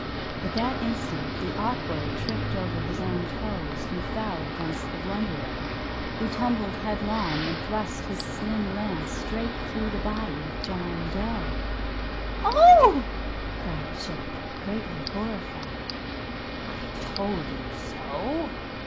At that instant the Awkward tripped over his own toes and fell against the Blunderer, who tumbled headlong and thrust his slim lance straight through the body of John Dough. "Oh!" cried Chick, greatly horrified. "I told you so!"